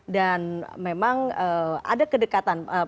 dan memang ada kedekatan